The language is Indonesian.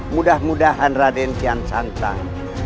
mudah mudahan raden kian santai